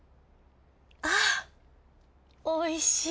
あおいしい。